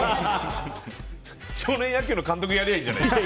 少年野球の監督やりゃいいじゃない。